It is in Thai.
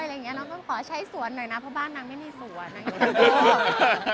อะไรอย่างนี้น้องก็ขอใช้สวนหน่อยนะเพราะบ้านน้องไม่มีสวน